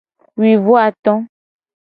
Wi vo ato.